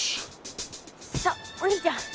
さあお兄ちゃん